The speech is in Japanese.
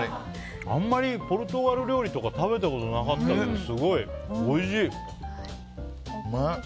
あんまりポルトガル料理とか食べたことなかったけどすごいおいしい。